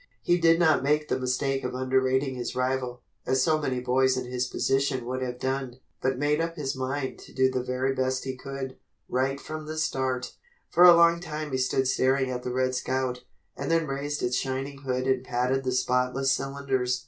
He did not make the mistake of underrating his rival, as so many boys in his position would have done, but made up his mind to do the very best he could, right from the start. For a long time he stood staring at the "Red Scout," and then raised its shining hood and patted the spotless cylinders.